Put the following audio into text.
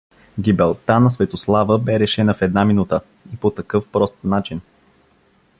Гибелта на Светослава бе решена в една минута, и по такъв прост начин!